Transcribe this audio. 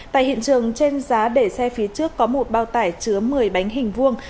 tại hiện trường trên giá để xe phía trước có một bao tải chứa một mươi bánh hình vuông